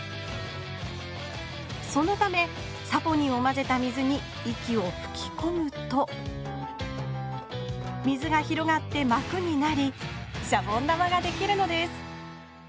そのためサポニンをまぜた水に息をふきこむと水が広がってまくになりシャボン玉ができるのです